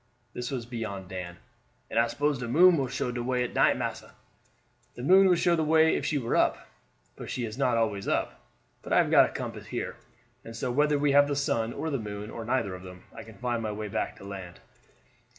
This was beyond Dan. "And I s'pose the moon will show de way at night, massa?" "The moon would show the way if she were up, but she is not always up; but I have got a compass here, and so whether we have the sun or the moon, or neither of them, I can find my way back to land."